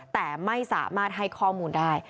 แต่ไม่สามารถให้ข้อมูลได้